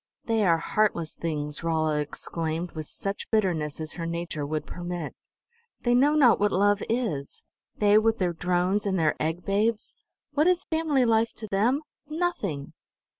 "They are heartless things!" Rolla exclaimed with such bitterness as her nature would permit. "They know not what love is: They with their drones and their egg babes! What is family life to Them? Nothing!